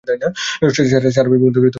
সারা বিবেকানন্দের একজন শিষ্য ছিলেন।